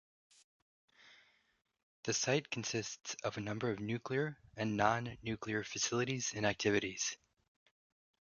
The site consists of a number of nuclear and non-nuclear facilities and activities.